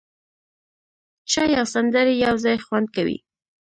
چای او سندرې یو ځای خوند کوي.